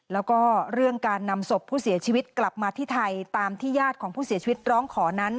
แล้วก็เรื่องการนำศพผู้เสียชีวิตกลับมาที่ไทยตามที่ญาติของผู้เสียชีวิตร้องขอนั้น